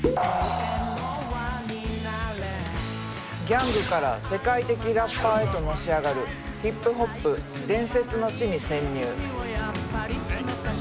ギャングから世界的ラッパーへとのし上がるヒップホップ伝説の地に潜入。